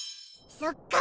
そっかー！